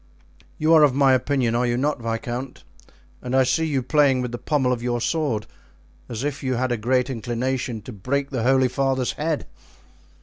You are of my opinion, are you not, viscount? and I see you playing with the pommel of your sword, as if you had a great inclination to break the holy father's head."